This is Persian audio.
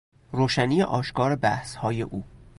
روشنی آشکار بحثهای او